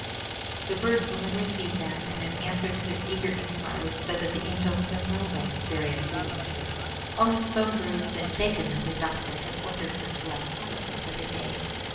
The Bird Woman received them, and in answer to their eager inquiries, said that the Angel was in no way seriously injured, only so bruised and shaken that their doctor had ordered her to lie quietly for the day.